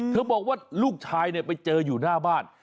บอกว่าลูกชายไปเจออยู่หน้าบ้าน